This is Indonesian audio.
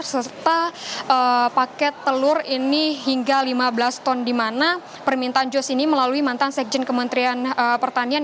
serta paket telur ini hingga lima belas ton di mana permintaan jose ini melalui mantan sekjen kementerian pertanian